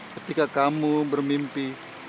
ketika kamu bermimpi